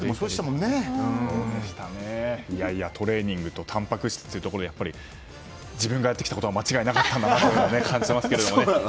トレーニングとたんぱく質というところで自分がやってきたことは間違いなかったんだなと感じましたけど。